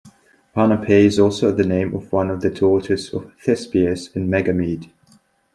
Panope is also the name of one of the daughters of Thespius and Megamede.